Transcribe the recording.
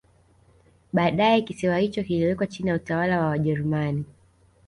Baadae kisiwa hicho kiliwekwa chini ya utawala wa Wajerumani